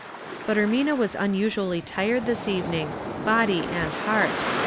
But Ermina was unusually tired this evening, body and heart.